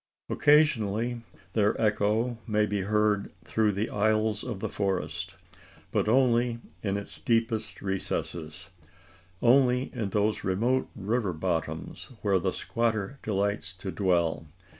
Occasionally, their echo may be heard through the aisles of the forest, but only in its deepest recesses only in those remote river "bottoms" where the squatter delights to dwell.